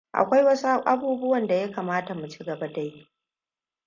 Akwai wasu abubuwan da ya kamata mu ci gaba da yi.